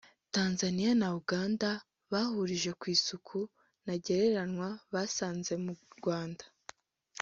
Tanzaniya na Uganda bahurije ku isuku ntagereranywa basanze mu Rwanda